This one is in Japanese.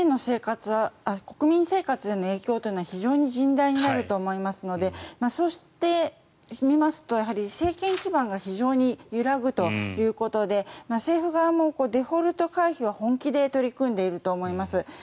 国民生活への影響は非常に甚大になると思いますのでそうしてみますと政権基盤が非常に揺らぐということで政府側もデフォルト回避は本気で取り組んでいると思います。